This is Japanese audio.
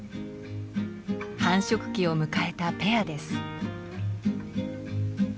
繁殖期を迎えたペアです。